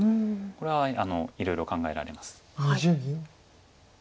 これはいろいろ考えられます。